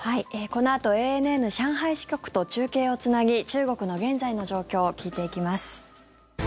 このあとＡＮＮ上海支局と中継をつなぎ中国の現在の状況を聞いていきます。